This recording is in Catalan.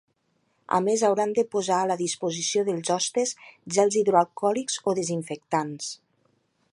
A més, hauran de posar a la disposició dels hostes gels hidroalcohòlics o desinfectants.